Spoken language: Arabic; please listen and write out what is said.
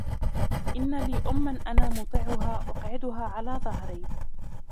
إنَّ لِي أُمًّا أَنَا مُطِيعُهَا أُقْعِدُهَا عَلَى ظَهْرِي